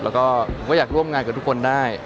แล้วก็ผมก็อยากร่วมงานกับทุกคนได้